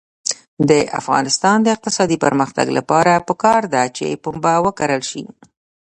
د افغانستان د اقتصادي پرمختګ لپاره پکار ده چې پنبه وکرل شي.